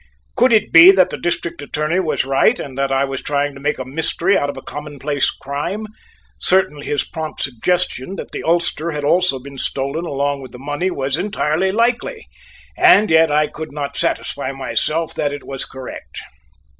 Could it be that the District Attorney was right and that I was trying to make a mystery out of a commonplace crime; certainly his prompt suggestion that the ulster had also been stolen along with the money was entirely likely and yet I could not satisfy myself that it was correct.